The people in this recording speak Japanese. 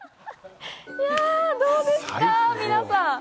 どうですか、皆さん？